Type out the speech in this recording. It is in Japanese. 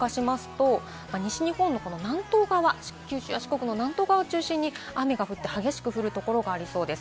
動かしますと、西日本の南東側、九州や四国の南東側を中心に雨が降って、激しく降るところがありそうです。